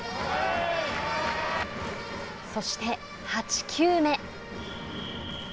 そして、８球目。